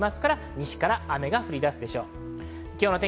西から雨が降り出すでしょう。